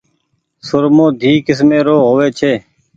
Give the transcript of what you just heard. سرمو ڌي ڪيسمي رو هووي ڇي۔